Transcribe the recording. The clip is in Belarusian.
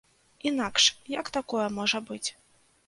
Інакш, як такое можа быць?